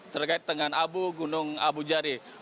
terkait dengan abu gunung abu jari